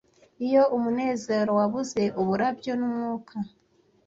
Iyo umunezero wabuze uburabyo n'umwuka,